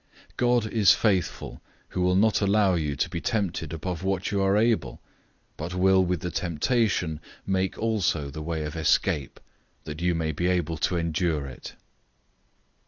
God is faithful, who will not allow you to be tempted above what you are able, but will with the temptation also make the way of escape, that you may be able to endure it.